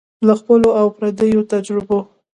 له خپلو او پردیو تجربو